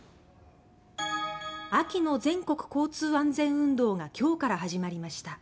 秋の全国交通安全運動が今日から始まりました。